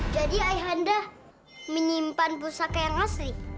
jadi ayahanda menyimpan pusaka yang asli